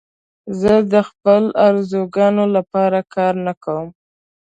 زه د خپلو آرزوګانو لپاره کار نه کوم.